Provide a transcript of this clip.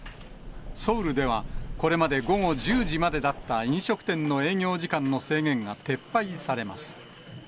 ソウルでは、これまで午後１０時までだった飲食店の営業時間の制限が撤廃されます。